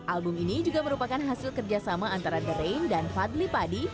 album ini juga merupakan hasil kerjasama antara the rain dan fadli padi